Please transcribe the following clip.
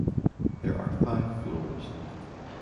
There are five floors.